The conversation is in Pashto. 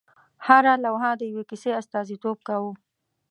هره لوحه د یوې کیسې استازیتوب کاوه.